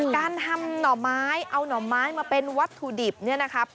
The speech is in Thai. การทำหน่อไม้เอาหน่อไม้มาเป็นวัตถุดิบเนี่ยนะครับ